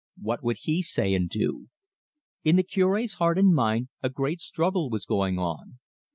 What would he say and do? In the Cure's heart and mind a great struggle was going on.